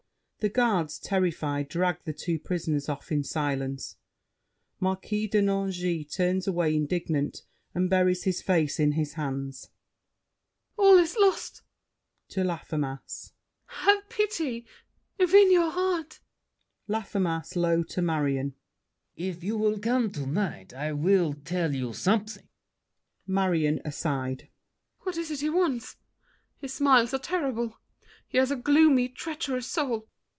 [The Guards, terrified, drag the two prisoners off in silence, Marquis de Nangis turns away indignant and buries his face in his hands. MARION. All is lost! [To Laffemas.] Have pity! If in your heart— LAFFEMAS (low to Marion). If you will come to night, I'll tell you something— MARION (aside). What is it he wants? His smiles are terrible. He has a gloomy, Treacherous soul.